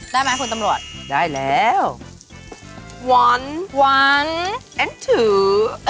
ได้ไหมคุณตำรวจได้แล้ววันวันและทู